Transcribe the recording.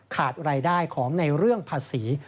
ขาดรายได้ของในเรื่องภาษี